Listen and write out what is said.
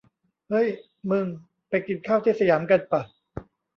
เฮ้ย มึง ไปกินข้าวที่สยามกันปะ